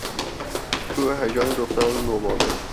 شور و هیجان دختران نوباوه